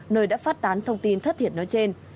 nơi đã phát tán thông tin thất thiệt nói trên